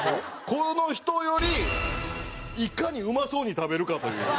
この人よりいかにうまそうに食べるかという。